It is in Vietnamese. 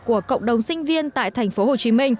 của cộng đồng sinh viên tại tp hcm